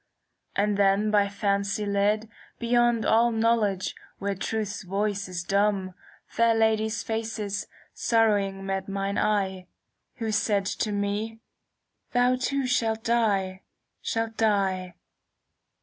And then by fancy led Beyond all knowledge, where Truth's voice is dumb, *° Fair ladies' faces sorrowing met mine eye. Who said to me :' Thou too shalt die, shalt die.'